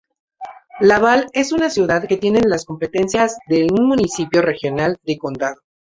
Laval es una ciudad que tiene las competencias de un municipio regional de condado.